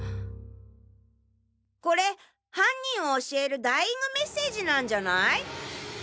これ犯人を教えるダイイング・メッセージなんじゃない！？